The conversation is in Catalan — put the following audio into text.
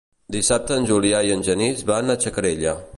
Dissabte en Julià i en Genís van a Xacarella.